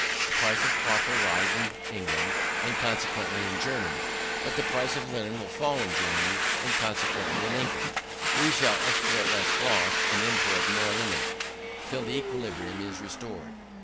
The price of cloth will rise in England, and consequently in Germany; but the price of linen will fall in Germany, and consequently in England, We shall export less cloth, and import more linen, till the equilibrium is restored.